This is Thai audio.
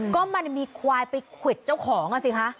ก็มันมีควายไปขุดเจ้าของสิคะ